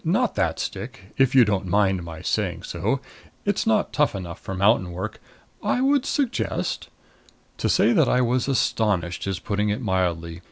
"Not that stick if you don't mind my saying so. It's not tough enough for mountain work. I would suggest " To say that I was astonished is putting it mildly.